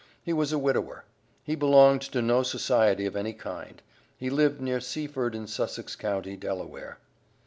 He was a widower. He belonged to no society of any kind. He lived near Seaford, in Sussex county, Delaware."